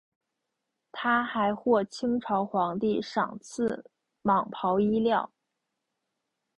他还获清朝皇帝赏赐蟒袍衣料。